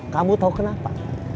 kamu tahu kenapa